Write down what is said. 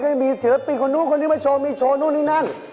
ก็ยังมีเสือปิคอเดนท์คนนี้มาโชว์มีโชว์นู่นนี้นั่น